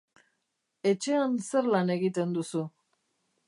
Etxean zer lan egiten duzu?